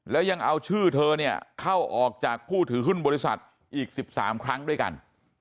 แล้วยังเอาชื่อเธอเนี่ยเข้าออกจากผู้ถือหุ้นบริษัทอีก๑๓ครั้งด้วยกัน